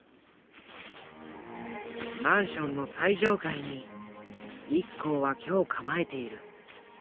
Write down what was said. マンションの最上階にＩＫＫＯは居を構えている。